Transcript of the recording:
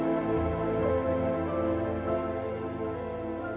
karena ini apa olla buang dua nyaanku